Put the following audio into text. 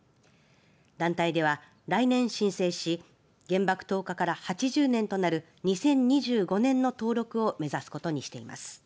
団体では来年申請し原爆投下から８０年となる２０２５年の登録を目指すことにしています。